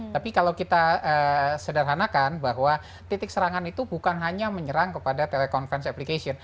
tapi kalau kita sederhanakan bahwa titik serangan itu bukan hanya menyerang kepada telekonferensi application